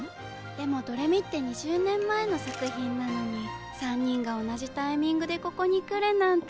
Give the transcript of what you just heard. でも「どれみ」って２０年前の作品なのに３人が同じタイミングでここに来るなんて。